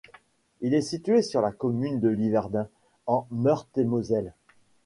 Il est situé sur la commune de Liverdun, en Meurthe-et-Moselle.